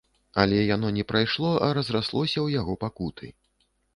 Але яно не прайшло, а разраслося ў яго пакуты.